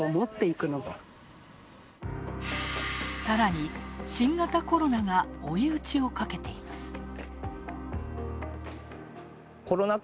さらに、新型コロナが追い討ちをかけています。